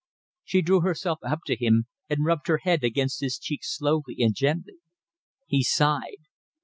She drew herself up to him and rubbed her head against his cheek slowly and gently. He sighed.